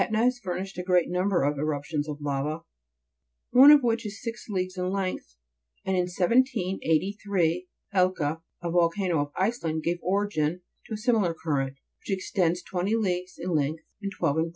Etna has furnished a great number of irruptions of lava, one of which was six leagues in length, and, in 1783, Hecla, a volcano of Iceland, gave origin to a similar cur rent, which extended twenty leagues in length, arid twelve in breadth.